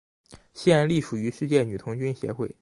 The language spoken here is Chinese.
现隶属于世界女童军协会。